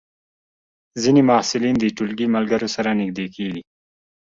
ځینې محصلین د ټولګي ملګرو سره نږدې کېږي.